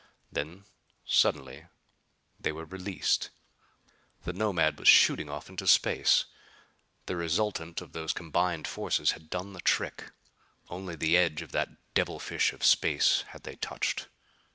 Then suddenly they were released. The Nomad was shooting off into space. The resultant of those combined forces had done the trick. Only the edge of that devil fish of space, had they touched.